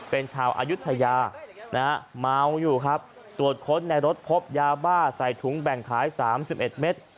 เป็นชาวอายุทยานะฮะเมาอยู่ครับตรวจค้นในรถพบยาบ้าใส่ถุงแบ่งขาย๓๑เมตร